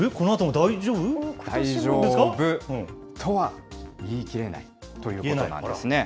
大丈夫とは言い切れないということなんですね。